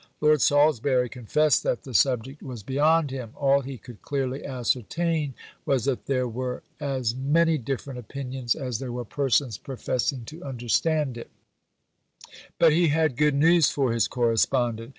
Lord Salisbury confessed that the subject was beyond him; all he could clearly ascertain was that there were as many different opinions as there were persons professing to understand it; but he had good news for his correspondent.